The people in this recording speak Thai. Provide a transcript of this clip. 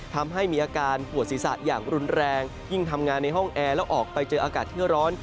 ทำให้มีอาการปวดศีรษะอย่างรุนแรงยิ่งทำงานในห้องแอร์แล้วออกไปเจออากาศที่ร้อน